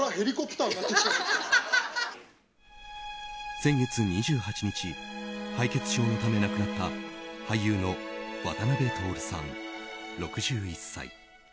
先月２８日敗血症のため亡くなった俳優の渡辺徹さん、６１歳。